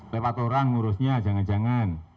lewat orang ngurusnya jangan jangan